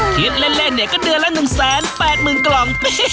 คิดเล่นก็เดือนละ๑๘๐๐๐๐กล่อง